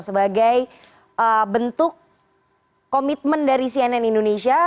sebagai bentuk komitmen dari cnn indonesia